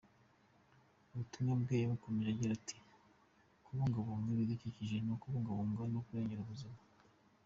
Ubutumwa bwe yabukomeje agira ati,"Kubungabunga ibidukikije ni ukubungabunga no kurengera ubuzima.